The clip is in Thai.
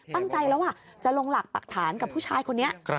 ตั้งใจแล้วจะลงหลักปรักฐานกับผู้ชายคนนี้